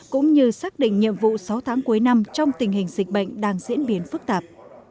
cũng như xác định nhiệm vụ sáu tháng cuối năm trong tình hình dịch bệnh đang diễn biến phức tạp